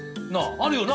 あるよな？